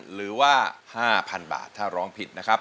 หรือว่า๕๐๐๐บาทถ้าร้องผิดนะครับ